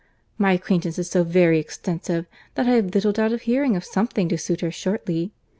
My acquaintance is so very extensive, that I have little doubt of hearing of something to suit her shortly.